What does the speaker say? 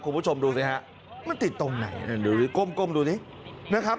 คุณผู้ชมดูสิฮะมันติดตรงไหนนั่นดูดิก้มก้มดูดินะครับ